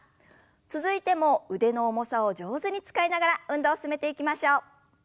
続いても腕の重さを上手に使いながら運動を進めていきましょう。